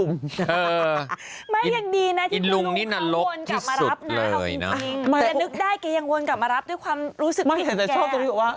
มา๑๐นาที๒๐นาทีเดินตรงนี้